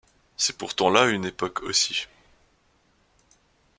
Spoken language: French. C’est pourtant là une époque aussi.